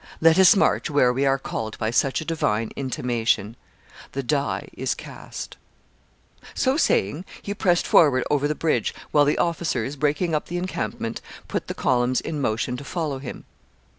"Let us march where we are called by such a divine intimation. The die is cast." [Sidenote: Caesar crosses the Rubicon.] So saying, he pressed forward over the bridge, while the officers, breaking up the encampment, put the columns in motion to follow him.